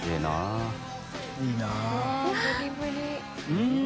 うん！